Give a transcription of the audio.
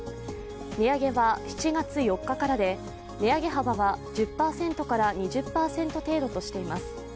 値上げは７月４日からで値上げ幅は１０％から２０％程度としています。